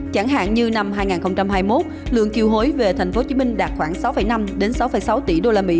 chẳng hạn như năm hai nghìn hai mươi một lượng kiều hối về tp hcm đạt khoảng sáu năm sáu tỷ usd